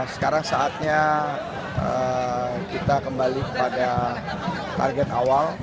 sekarang saatnya kita kembali kepada target awal